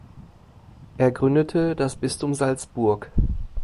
Er gründete das Bistum Salzburg.